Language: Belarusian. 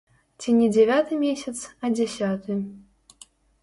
Ці не дзявяты месяц, а дзясяты.